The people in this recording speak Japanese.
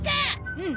うん。